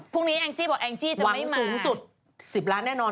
พรุ่งนี้แองจี้บอกแองจี้จะไม่มาหวังสูงสุด๑๐ล้านแน่นอน